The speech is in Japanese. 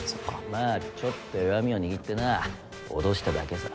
まあちょっと弱みを握ってな脅しただけさ。